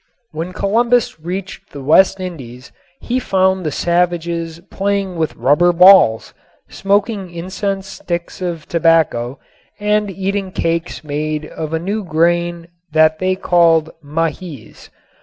When Columbus reached the West Indies he found the savages playing with rubber balls, smoking incense sticks of tobacco and eating cakes made of a new grain that they called mahiz.